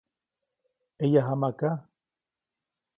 ʼEyajamaʼka.